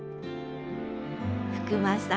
福間さん